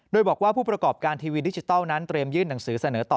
โดยบอกว่าผู้ประกอบการทีวีดิจิทัลนั้นเตรียมยื่นหนังสือเสนอต่อ